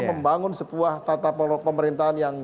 membangun sebuah tata pemerintahan yang